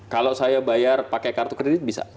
kalau saya bayar pakai kartu kredit bisa